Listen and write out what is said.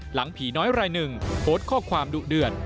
หลังผีน้อยรายหนึ่งโพสต์ข้อความดุเดือด